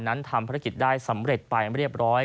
นั้นทำภารกิจได้สำเร็จไปเรียบร้อย